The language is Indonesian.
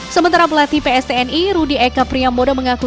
sementara pelatih pstni rudi eka priamboda mengaku